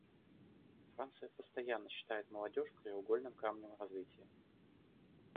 Франция постоянно считает молодежь краеугольным камнем развития.